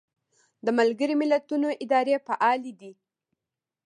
د ملګرو ملتونو ادارې فعالې دي